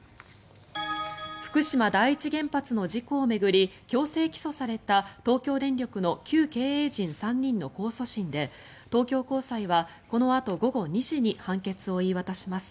福島第一原発の事故を巡り強制起訴された東京電力の旧経営陣３人の控訴審で東京高裁はこのあと午後２時に判決を言い渡します。